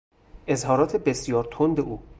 اظهارات بسیار تند او